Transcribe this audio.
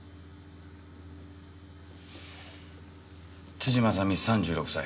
辻正巳３６歳。